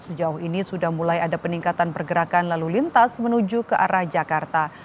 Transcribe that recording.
sejauh ini sudah mulai ada peningkatan pergerakan lalu lintas menuju ke arah jakarta